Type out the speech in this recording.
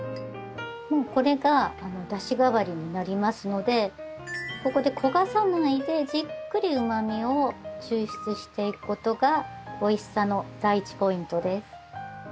もうこれがだし代わりになりますのでここで焦がさないでじっくりうまみを抽出していくことがおいしさの第１ポイントです。